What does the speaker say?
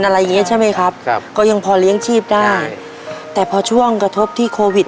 อะไรอย่างเงี้ยใช่ไหมครับครับก็ยังพอเลี้ยงชีพได้แต่พอช่วงกระทบที่โควิด